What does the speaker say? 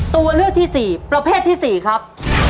ตัวเลือกที่๔ประเภทที่๔ครับ